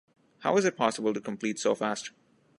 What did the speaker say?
How is it possible to complete so fast?